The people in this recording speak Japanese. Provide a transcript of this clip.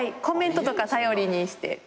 コメントとか頼りにして。